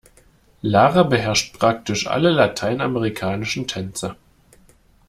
Lara beherrscht praktisch alle lateinamerikanischen Tänze.